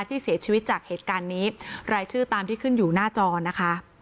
ที่เสียชีวิตจากเหตุการณ์นี้รายชื่อตามที่ขึ้นอยู่หน้าจอนะคะ